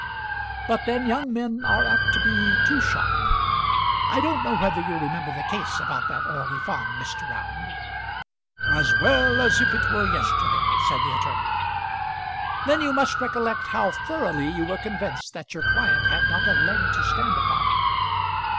"But then young men are apt to be too sharp. I don't know whether you remember the case about that Orley Farm, Mr. Round." "As well as if it were yesterday," said the attorney. "Then you must recollect how thoroughly you were convinced that your client had not a leg to stand upon."